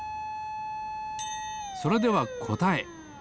それではこたえ。